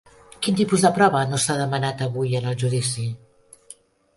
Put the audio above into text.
Quin tipus de prova no s'ha demanat avui en el judici?